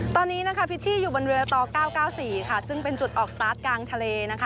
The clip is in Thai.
ตอนนี้นะคะพิชชี่อยู่บนเรือต่อ๙๙๔ค่ะซึ่งเป็นจุดออกสตาร์ทกลางทะเลนะคะ